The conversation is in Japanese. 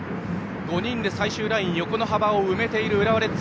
５人で最終ライン横の幅を埋めている浦和レッズ。